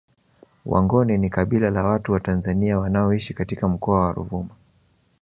Wangoni ni kabila la watu wa Tanzania wanaoishi katika Mkoa wa Ruvuma